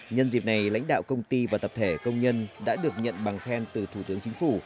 nhân dịp này lãnh đạo công ty và tập thể công nhân đã được nhận bằng khen từ thủ tướng chính phủ